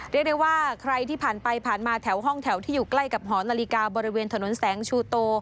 เรียกได้ว่าใครที่ผ่านไปผ่านมาแถวห้องแถวที่อยู่ใกล้กับหอนาฬิกาบริเวณถนนแสงชูโต